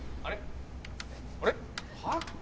あれ？はあ？